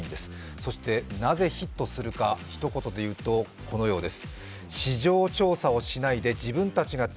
そしてなぜヒットするか、ひと言で言うとこのようです。